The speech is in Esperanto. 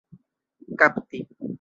kapti